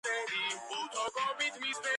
ცხოვრობდნენ იბერიის ტერიტორიაზე.